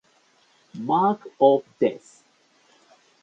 Mark of Death.